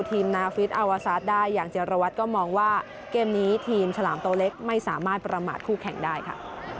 นาฟิศอาวาซาสได้อย่างเจรวัตรก็มองว่าเกมนี้ทีมฉลามโตเล็กไม่สามารถประมาทคู่แข่งได้ค่ะ